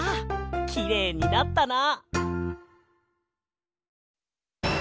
きれいになったな。